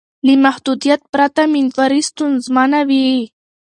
له محدودیت پرته میندواري ستونزمنه وي.